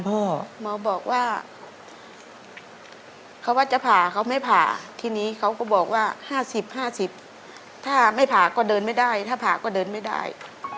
หมอบอกว่าเขาว่าจะผ่าเขาไม่ผ่าทีนี้เขาก็บอกว่า๕๐๕๐ถ้าไม่ผ่าก็เดินไม่ได้ถ้าผ่าก็เดินไม่ได้